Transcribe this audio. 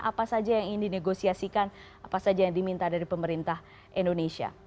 apa saja yang ingin dinegosiasikan apa saja yang diminta dari pemerintah indonesia